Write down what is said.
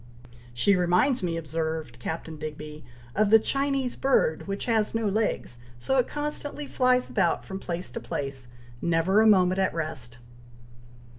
"She reminds me," observed Captain Digby, "of the Chinese bird which has no legs, so it constantly flies about from place to place, never a moment at rest."